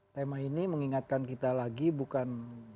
tema ini mengingatkan kita lagi bukan